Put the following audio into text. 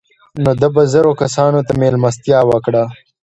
نو ده به زرو کسانو ته مېلمستیا وکړه.